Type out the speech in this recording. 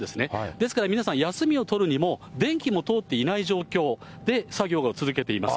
ですから皆さん、休みを取るにも電気も通っていない状況で作業が続けています。